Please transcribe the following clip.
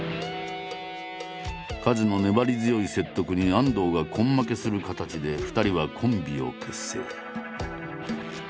カズの粘り強い説得に安藤が根負けする形で２人はコンビを結成。